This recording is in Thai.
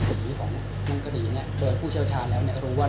สีของมันก็ดีนะเจอผู้เชี่ยวชาญแล้วรู้ว่ารุ่นเต็ปอะไร